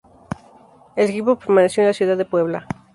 El equipo permaneció en la ciudad de Puebla.